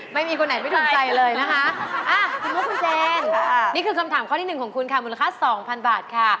ไม่มีคนไหนไม่ถูกใจเลยนะคะคุณพ่อคุณเจนนี่คือคำถามข้อที่หนึ่งของคุณค่ะมูลค่าสองพันบาทค่ะ